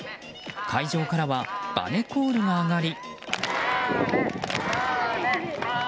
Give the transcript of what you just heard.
会場からはバネコールが上がり。